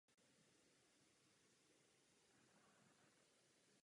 Vy sem jdete za slečnou?